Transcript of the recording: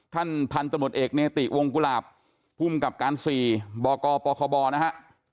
ท่านพันธุ์ตรวจเอกเนติวงกุลาบคุมกับการสี่บกปคบนะฮะ